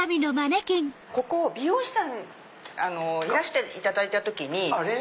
ここ美容師さんいらしていただいた時に。